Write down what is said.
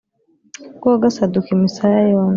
rwo gasaduka imisaya yombi.